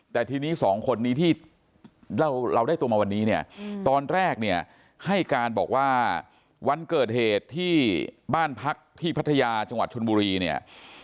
แต่ทีนี้สองคนนี้ที่เราได้ตัวมาวันนี้เนี่ยตอนแรกเนี่ยให้การบอกว่าวันเกิดเหตุที่บ้านพักที่พัทยาจังหวัดชนบุรีเนี่ย